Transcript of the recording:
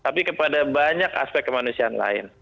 tapi kepada banyak aspek kemanusiaan lain